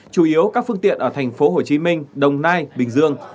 chủ yếu các phương tiện ở tp hcm đồng nai bình dương